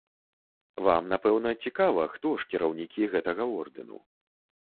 Вам, напэўна, цікава, хто ж кіраўнікі гэтага ордэну?